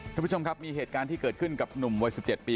ท่านผู้ชมครับมีเหตุการณ์ที่เกิดขึ้นกับหนุ่มวัย๑๗ปี